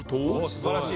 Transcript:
「素晴らしい！